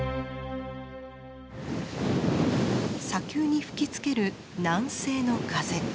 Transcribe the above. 砂丘に吹きつける南西の風。